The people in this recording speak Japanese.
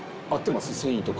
繊維とか。